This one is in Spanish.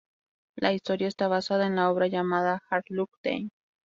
La historia esta basada en la obra llamada "Hard Luck Dame".